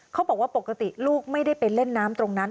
เขาบอกว่าปกติลูกไม่ได้ไปเล่นน้ำตรงนั้น